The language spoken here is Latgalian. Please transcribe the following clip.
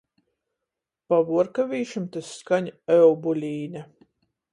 Pa vuorkavīšim tys skaņ "Eubulīne".